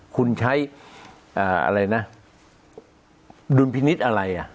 คุณใช้อะไรนะดุลพินิษฐ์อะไรอ่ะ